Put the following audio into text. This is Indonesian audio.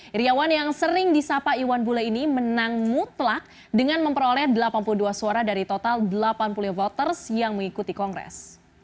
iryawan yang sering disapa iwan bule ini menang mutlak dengan memperoleh delapan puluh dua suara dari total delapan puluh voters yang mengikuti kongres